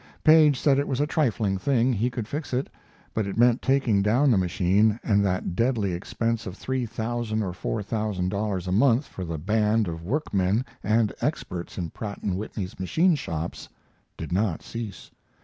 Paige said it was a trifling thing: he could fix it, but it meant taking down the machine, and that deadly expense of three thousand or four thousand dollars a month for the band of workmen and experts in Pratt & Whitney's machine shops did not cease.